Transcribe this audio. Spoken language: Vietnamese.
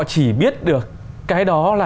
chỉ biết được cái đó là